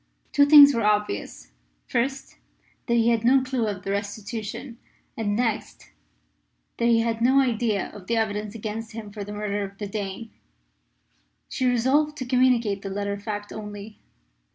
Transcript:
Two things were obvious: first, that he had no clue of the restitution; and, next, that he had no idea of the evidence against him for the murder of the Dane. She resolved to communicate the latter fact only.